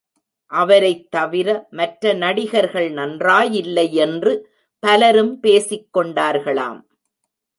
அவரைத் தவிர மற்ற நடிகர்கள் நன்றாயில்லை யென்று பலரும் பேசிக் கொண்டார்களாம்.